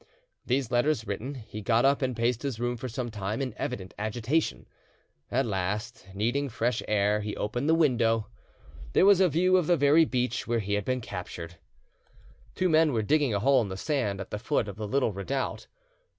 These letters written, he got up and paced his room for some time in evident agitation; at last, needing fresh air, he opened the window. There was a view of the very beach where he had been captured. Two men were digging a hole in the sand at the foot of the little redoubt.